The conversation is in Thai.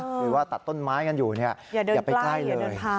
หรือว่าตัดต้นไม้กันอยู่อย่าไปใกล้เลย